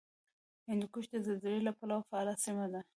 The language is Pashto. هندوکش د زلزلې له پلوه فعاله سیمه ده